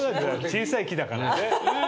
小さい木だからって？